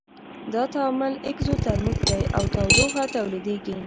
دا تعامل اکزوترمیک دی او تودوخه تولیدیږي.